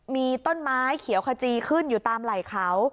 มีต้นไม้เขียวขจีขึ้นอยู่ตามไหล่เขา